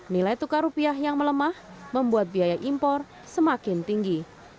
nilai tukar rupiah yang melemah membuat biaya impor semakin tinggi